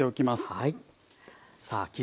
はい。